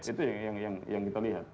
itu yang kita lihat